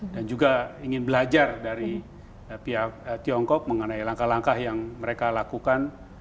dan juga ingin belajar dari pihak tiongkok mengenai langkah langkah yang mereka lakukan